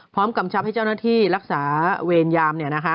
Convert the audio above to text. พร้อมกำชับให้เจ้าหน้าที่รักษาเวรยามเนี่ยนะฮะ